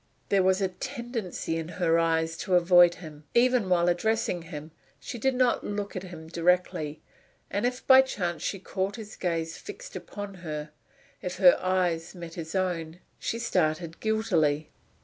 There was a tendency in her eyes to avoid him. Even while addressing him, she did not look directly at him, and if, by chance, she caught his gaze fixed upon her if her eyes met his own she started guiltily.